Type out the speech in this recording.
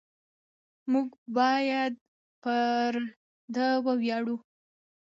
موږ باید پر ده وویاړو.